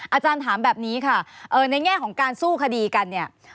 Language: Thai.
อาจารย์ถามแบบนี้ค่ะในแง่ของการสู้คดีกันเนี่ย